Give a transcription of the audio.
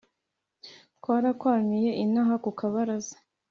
twarakwamiye inaha ku kabaraza